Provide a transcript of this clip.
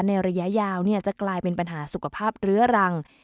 ระยะยาวจะกลายเป็นปัญหาสุขภาพเรื้อรัง